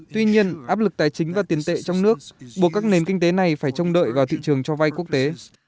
tuy nhiên áp lực tài chính và tiền tệ trong nước buộc các nền kinh tế này phải trông đợi vào thị trường cho vay quốc tế